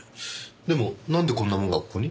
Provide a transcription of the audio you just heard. でもなんでこんなものがここに？